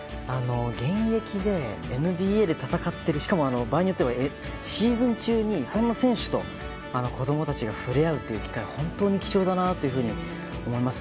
現役でＮＢＡで戦ってるしかも場合によってはシーズン中にそんな選手と子供たちが触れ合えるという機会は本当に貴重だなと思いました。